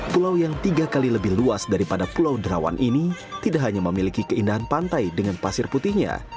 pulau yang tiga kali lebih luas daripada pulau derawan ini tidak hanya memiliki keindahan pantai dengan pasir putihnya